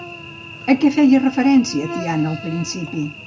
A què feia referència Tian al principi?